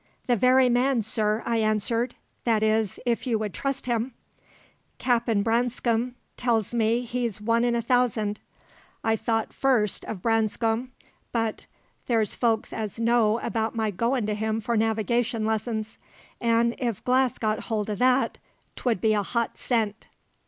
"The very man, sir," I answered; "that is, if you would trust him." "Cap'n Branscome tells me he's one in a thousand. I thought first o' Branscome, but there's folks as know about my goin' to him for navigation lessons; an' if Glass got hold o' that, 'twould be a hot scent."